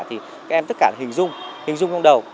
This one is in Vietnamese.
thì các em tất cả hình dung hình dung trong đầu